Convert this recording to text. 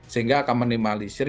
sehingga akan menimahliakan